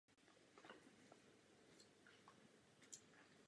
Za čelním valem a příkopem se nacházelo předhradí.